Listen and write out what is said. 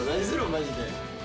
マジで。